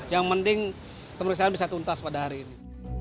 yang penting pemeriksaan bisa tuntas pada hari ini